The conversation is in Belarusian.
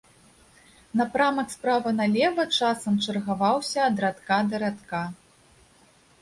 Напрамак справа налева, часам чаргаваўся ад радка да радка.